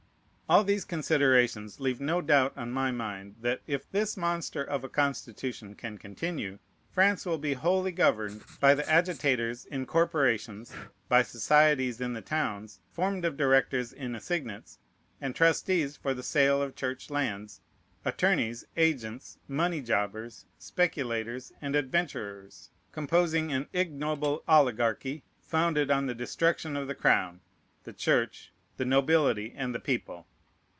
All these considerations leave no doubt on my mind, that, if this monster of a Constitution can continue, France will be wholly governed by the agitators in corporations, by societies in the towns, formed of directors in assignats, and trustees for the sale of Church lands, attorneys, agents, money jobbers, speculators, and adventurers, composing an ignoble oligarchy, founded on the destruction of the crown, the Church, the nobility, and the people.